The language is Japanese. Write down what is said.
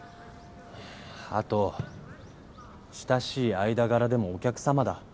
ふぅ後親しい間柄でもお客様だ。